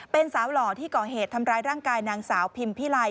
เป็นสาวหล่อที่ก่อเหตุทำร้ายร่างกายนางสาวพิมพิไล